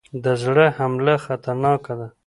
د زړه حمله خطرناکه ده